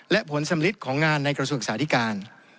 และผลสำลิดของงานในกระทรวงศึกษาธิการ